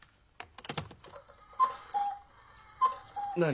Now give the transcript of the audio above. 何？